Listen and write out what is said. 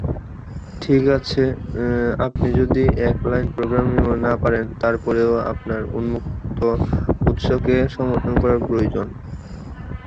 ঠিক আছে, আপনি যদি এক লাইন প্রোগ্রামিং ও না পারেন তারপরেও আপনার উন্মুক্ত উৎসকে সমর্থন করা প্রয়োজন।